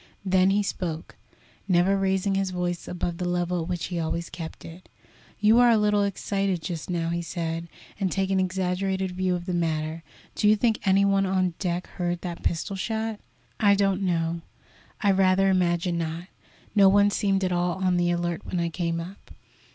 Then he spoke, never raising his voice above the level at which he always kept it. "You are a little excited just now," he said, "and take an exaggerated view of the matter. Do you think any one on deck heard that pistol shot?" "I don't know; I rather imagine not. No one seemed at all on the alert when I came up."